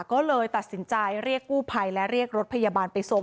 ก็เลยตัดสินใจเรียกกู้ภัยและเรียกรถพยาบาลไปส่ง